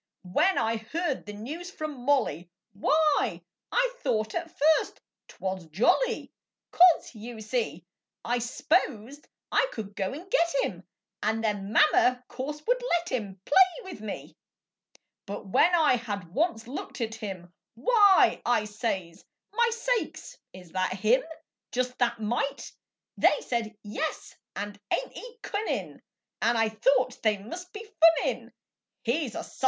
When I heard the news from Molly, Why, I thought at first 't was jolly, 'Cause, you see, I s'posed I could go and get him And then Mama, course, would let him Play with me. But when I had once looked at him, "Why!" I says, "My sakes, is that him? Just that mite!" They said, "Yes," and, "Ain't he cunnin'?" And I thought they must be funnin', He's a _sight!